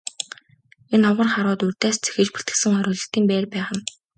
Энэ овгор харууд урьдаас зэхэж бэлтгэсэн хориглолтын байр байх нь.